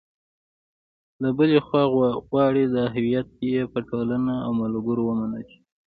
له بلې خوا غواړي دا هویت یې په ټولنه او ملګرو ومنل شي.